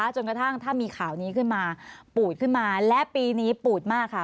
จนกระทั่งถ้ามีข่าวนี้ขึ้นมาปูดขึ้นมาและปีนี้ปูดมากค่ะ